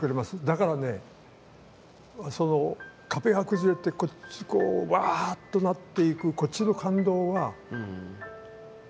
だからねその壁が崩れてこっちこうわっとなっていくこっちの感動は誰でも感じますよ。